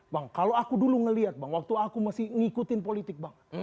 bang kalau aku dulu ngelihat bang waktu aku masih ngikutin politik bang